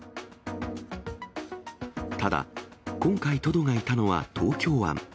ただ、今回トドがいたのは東京湾。